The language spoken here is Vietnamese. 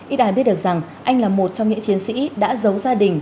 ít ai biết được rằng anh là một trong những chiến sĩ đã giấu gia đình